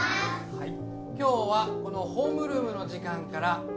はい。